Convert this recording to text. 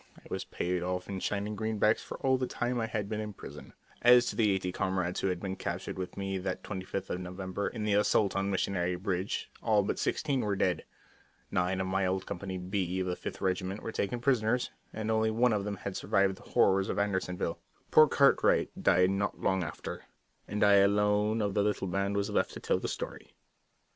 I was paid off in shining greenbacks for all the time I had been in prison. As to the eighty comrades who had been captured with me that 25th of November in the assault on Missionary Ridge, all but sixteen were dead. Nine of my old Company B of the Fifth Regiment were taken prisoners, and only one of them had survived the horrors of Andersonville. Poor Cartwright died not long after, and I alone of the little band was left to tell the story.